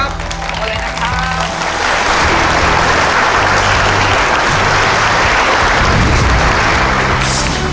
ขอบคุณครับ